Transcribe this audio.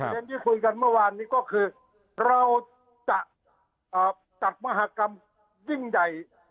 ที่คุยกันเมื่อวานนี้ก็คือเราจะจัดมหากรรมยิ่งใหญ่